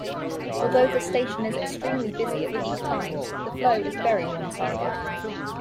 Although the station is extremely busy at peak times, the flow is very one-sided.